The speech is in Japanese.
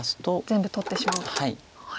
全部取ってしまおうと。